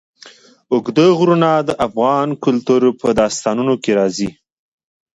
اوږده غرونه د افغان کلتور په داستانونو کې راځي.